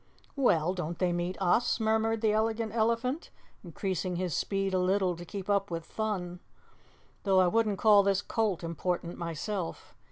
"Well, don't they meet US?" murmured the Elegant Elephant, increasing his speed a little to keep up with Thun. "Though I wouldn't call this colt important myself.